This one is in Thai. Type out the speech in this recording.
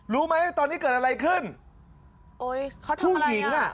รู้ไหมตอนนี้เกิดอะไรขึ้นโอ้ยเขาทำผู้หญิงอ่ะ